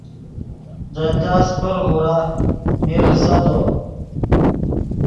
دے تاس پر غورا میر ریسدو